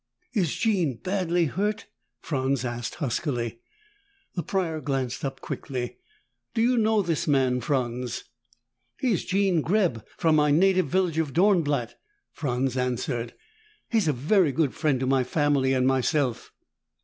"Is Jean badly hurt?" Franz asked huskily. The Prior glanced up quickly. "Do you know this man, Franz?" "He is Jean Greb, from my native village of Dornblatt," Franz answered. "He is a very good friend to my family and myself."